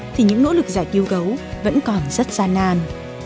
thì những nỗ lực giải cứu gấu vẫn còn rất gian nan